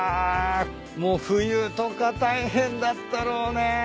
もう冬とか大変だったろうね。